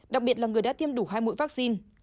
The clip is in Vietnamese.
đặc biệt là người đã tiêm đủ hai mũi vaccine